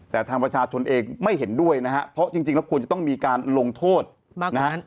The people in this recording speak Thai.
แต่ทางประชาชนเองไม่เห็นด้วยนะฮะเพราะจริงแล้วควรจะต้องมีการลงโทษมากนะฮะ